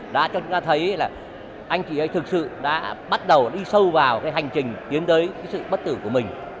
đã cho chúng ta thấy là anh chị ấy thực sự đã bắt đầu đi sâu vào cái hành trình tiến tới cái sự bất tử của mình